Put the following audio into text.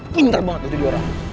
pinter banget lo diorang